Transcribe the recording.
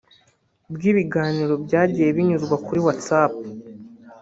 bw’ibiganiro byagiye binyuzwa kuri WhatsApp